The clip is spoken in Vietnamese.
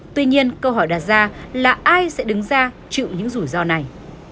tuy nhiên câu hỏi đặt ra là ai sẽ đứng ra chịu những rủi ro này